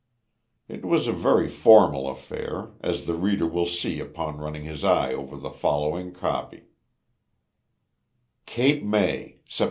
It was a very formal affair, as the reader will see upon running his eye over the following copy: CAPE MAY, Sept.